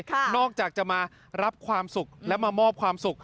นอกจากจะมารับความสุขและมามอบความสุข